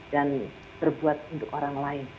dan berbuat untuk orang lain